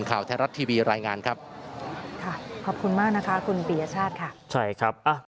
ข่าวไทยรัฐทีวีรายงานครับค่ะขอบคุณมากนะคะคุณปียชาติค่ะใช่ครับอ่ะ